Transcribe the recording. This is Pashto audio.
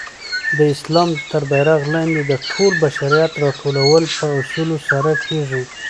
د اسلام تر بیرغ لاندي د ټول بشریت راټولول په اصولو سره کيږي.